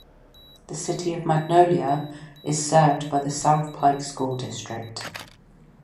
The City of Magnolia is served by the South Pike School District.